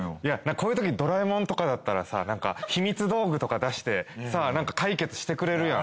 こういう時ドラえもんとかだったらさひみつ道具とか出してさ解決してくれるやん。